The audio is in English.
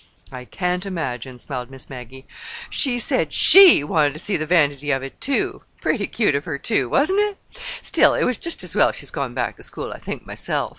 "I can't imagine," smiled Miss Maggie. "She said she wanted to see the vanity of it, too. Pretty cute of her, too, wasn't it? Still it's just as well she's gone back to school, I think myself.